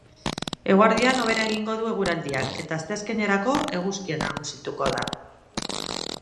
Eguerdian hobera egingo du eguraldiak eta asteazkenerako eguzkia nagusituko da.